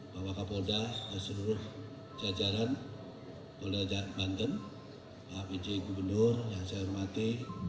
pak wakabolda dan seluruh jajaran banten pak biji gubernur yang saya hormati